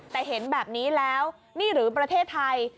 แต่เห็นแบบนี้แล้วนี่หรือประเทศไทย